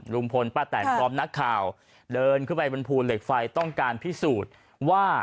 ลุงพลป้าแตนพร้อมนักข่าวเดินขึ้นไปบนภูเหล็กไฟต้องการพิสูจน์ว่า